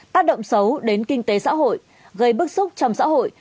tác động xấu đến kinh tế xã hội gây bức xúc trong xã hội